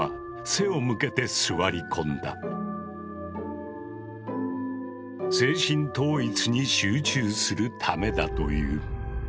精神統一に集中するためだという。